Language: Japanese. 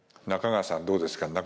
中川さんどうですか？